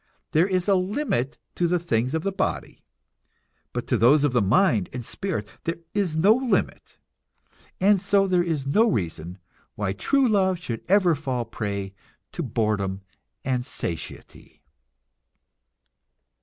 There is a limit to the things of the body, but to those of the mind and spirit there is no limit, and so there is no reason why true love should ever fall prey to boredom and satiety.